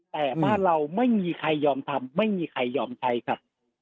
แต่บ้านเราไม่มีใครยอมทำไม่มีใครยอมใช้ครับ